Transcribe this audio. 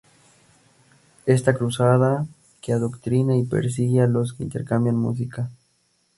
esta cruzada que adoctrina y persigue a los que intercambian música